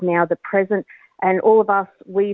yang sekarang adalah masa sekarang